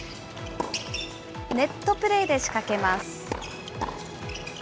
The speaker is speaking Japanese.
ネットプレーで仕掛けます。